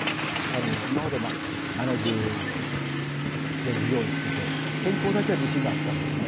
今まで７０年以上生きていて健康だけは自信があったんですね。